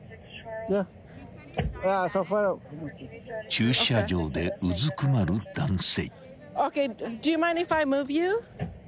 ［駐車場でうずくまる男性］